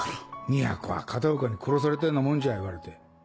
みやこは片岡に殺されたようなもんじゃ言われて。